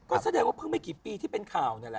ก็แสดงว่าเพิ่งไม่กี่ปีที่เป็นข่าวเนี่ยแหละ